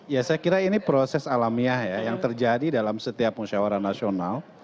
ya saya kira ini proses alamiah ya yang terjadi dalam setiap musyawara nasional